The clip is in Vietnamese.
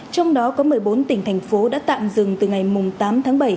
trong đó có một mươi bốn tỉnh thành phố đã tạm dừng từ ngày tám tháng bảy